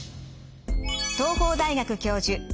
東邦大学教授